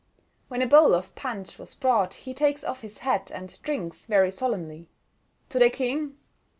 When a bowl of punch was brought he takes off his hat, and drinks, very solemnly, "To the King!"